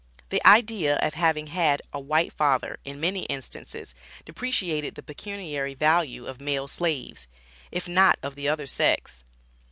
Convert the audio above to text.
The idea of having had a white father, in many instances, depreciated the pecuniary value of male slaves, if not of the other sex.